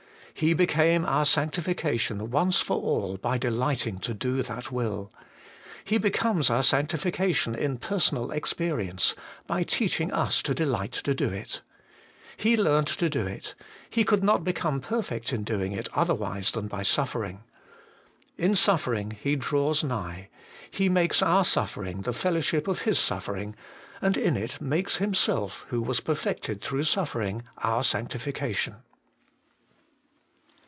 He became our Sanctification once for all by delighting to do that will ; He becomes our Sanctification in personal experience, by teaching us to delight to do it. He learned to do it; He could not become perfect in doing it otherwise than by suffering. In suffering He draws nigh ; He makes our suffering the fellowship of His suffering ; and in it makes Himself, who was perfected through suffering, our Sanctification.